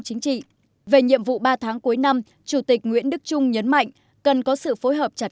chính trị về nhiệm vụ ba tháng cuối năm chủ tịch nguyễn đức trung nhấn mạnh cần có sự phối hợp chặt